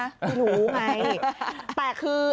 ไม่รู้ไงแต่คือ